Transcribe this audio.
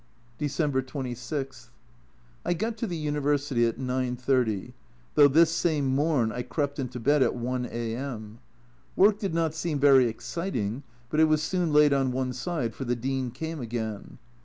December 26. I got to the University at 9.30, though this same morn I crept into bed at i A.M. Work did not seem very exciting, but it was soon laid on one side, for the Dean came again.